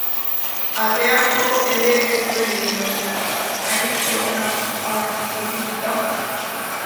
Atea jo ere ez zuen egin, ordea, hain zegoen akituta.